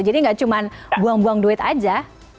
jadi nggak cuma buang buang duit aja